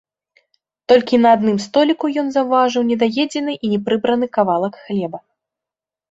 Толькі на адным століку ён заўважыў недаедзены і непрыбраны кавалак хлеба.